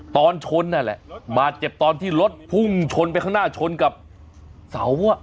ตอนชนนั่นแหละบาดเจ็บตอนที่รถพุ่งชนไปข้างหน้าชนกับเสาอ่ะ